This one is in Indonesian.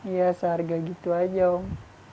ya seharga gitu aja om